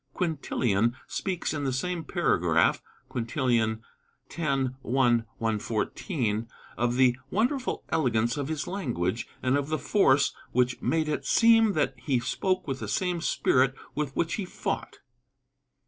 Quintilian speaks in the same paragraph (Quintilian X. 1, 114) of the "wonderful elegance of his language" and of the "force" which made it "seem that he spoke with the same spirit with which he fought."